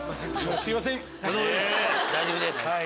大丈夫です。